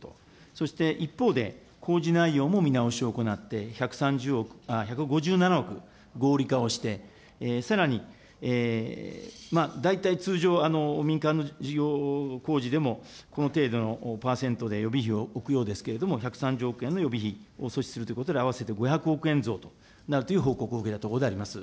そして、一方で、工事内容も見直しを行って、１５７億合理化をして、さらに、大体通常、民間の事業工事でもこの程度の％で予備費を置くようですけれども、１３０億円の予備費を阻止するということで合わせて５００億円増となると報告を受けたところであります。